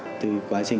cảm ơn quý vị và các bạn